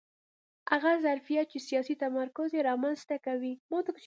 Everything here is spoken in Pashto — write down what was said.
هغه ظرفیت چې سیاسي تمرکز یې رامنځته کوي